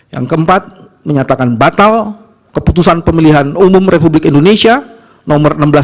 yang keempat menyatakan batal keputusan pemilihan umum republik indonesia no seribu enam ratus tiga puluh dua